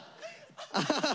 アハハ！